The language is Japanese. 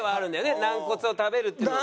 軟骨を食べるっていうのは。